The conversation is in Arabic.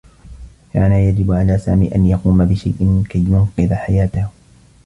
كان يجب على سامي أن يقوم بشيء كي ينقذ حياته.